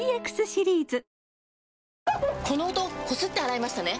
この音こすって洗いましたね？